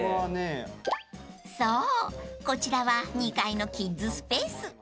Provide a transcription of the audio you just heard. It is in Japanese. ［そうこちらは２階のキッズスペース］